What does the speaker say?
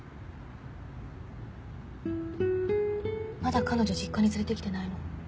まだ彼女実家に連れて来てないの？